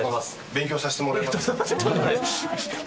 勉強させてもらいます。